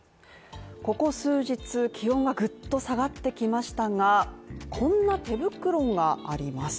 ここ数日、気温はぐっと下がってきましたが、こんな手袋があります。